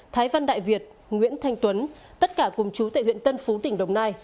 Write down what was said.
thái văn đại việt nguyễn thanh tuấn tất cả cùng chú tại huyện tân phú tỉnh đồng nai